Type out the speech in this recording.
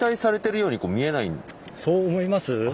でもそう思います？